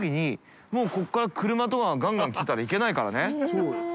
そうよ。